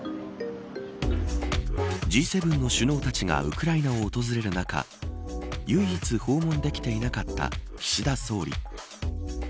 Ｇ７の首脳たちがウクライナを訪れる中唯一、訪問できていなかった岸田総理。